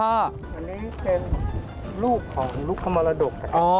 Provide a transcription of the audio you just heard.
อันนี้เป็นลูกของลูกขมรดกค่ะ